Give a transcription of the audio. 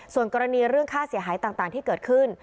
ส่วนกรณีเรื่องค่าเสียหายต่างที่เกิดขึ้น